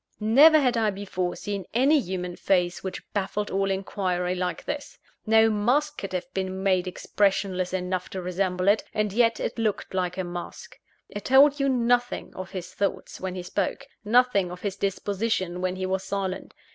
Never had I before seen any human face which baffled all inquiry like his. No mask could have been made expressionless enough to resemble it; and yet it looked like a mask. It told you nothing of his thoughts, when he spoke: nothing of his disposition, when he was silent.